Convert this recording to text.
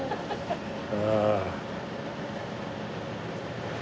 ああ。